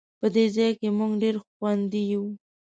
په دې ځای کې مونږ ډېر خوندي یو